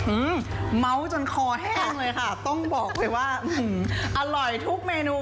อืมเมาส์จนคอแห้งเลยค่ะต้องบอกเลยว่าอร่อยทุกเมนู